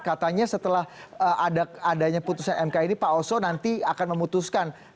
katanya setelah adanya putusan mk ini pak oso nanti akan memutuskan